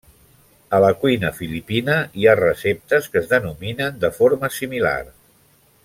A la cuina filipina hi ha receptes que es denominen de forma similar.